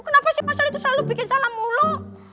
kenapa si mas al itu selalu bikin salah mulu